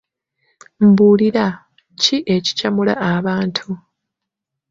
Mbuulira, ki ekikyamula abantu?